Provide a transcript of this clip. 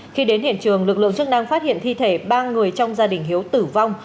khi đến hiện trường lực lượng chức năng phát hiện thi thể ba người trong gia đình hiếu tử vong